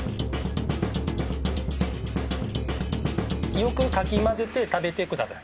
よくかき混ぜて食べてください。